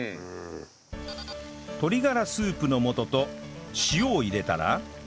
鶏がらスープの素と塩を入れたら